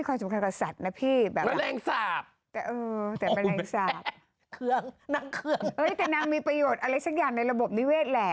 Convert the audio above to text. เคืองเจ้านางเคืองเจ้านางมีประโยชน์อะไรสักอย่างในระบบนิเวฆแหละ